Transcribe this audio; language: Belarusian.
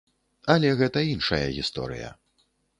Але гэта іншая гісторыя.